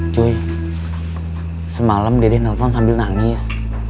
cuy semalam dedek nelfon sambil nangis